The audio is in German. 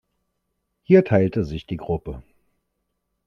Hier teilte sich die Gruppe.